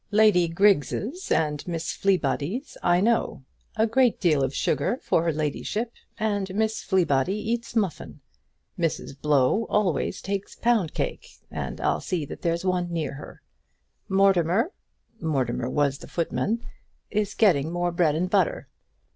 "Lady Griggs's and Miss Fleebody's I know. A great deal of sugar for her ladyship, and Miss Fleebody eats muffin. Mrs Blow always takes pound cake, and I'll see that there's one near her. Mortimer," Mortimer was the footman, "is getting more bread and butter.